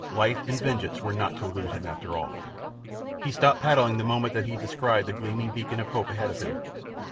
Life and vengeance were not to elude him after all. He stopped paddling the moment that he descried the gleaming beacon of hope ahead of him.